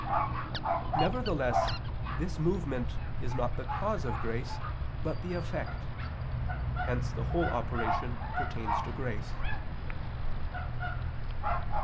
Nevertheless this movement is not the cause of grace, but the effect; hence the whole operation pertains to grace.